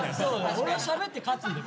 オレはしゃべって勝つんだよ